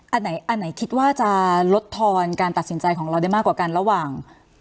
อันไหนคิดว่าจะลดทอนการตัดสินใจของเราได้มากกว่ากันระหว่าง